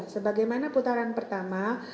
sebagaimana putaran pertama